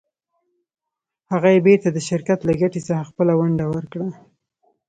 هغه یې بېرته د شرکت له ګټې څخه خپله ونډه ورکړه.